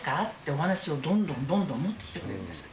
お話をどんどんどんどん売ってきてくれるんですよ。